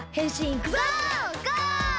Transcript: ゴー！